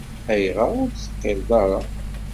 Ayɣer ur d-teqqileḍ ara?